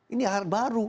ini hal baru